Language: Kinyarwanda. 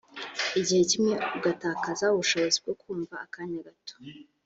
igihe kimwe ugatakaza ubushobozi bwo kumva akanya gato